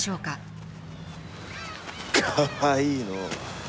かわいいのう。